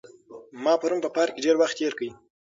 ما پرون په پارک کې ډېر وخت تېر کړ.